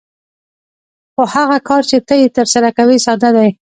خو هغه کار چې ته یې ترسره کوې ساده دی